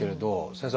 先生。